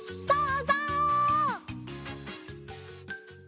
そうぞう！